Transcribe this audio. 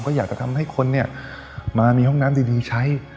ก็อยากจะทำให้คนมามีห้องน้ำดีใช้